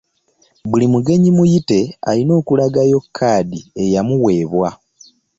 Buli mugenyi muyite alina okula gayo kaadi eyamuweebwa.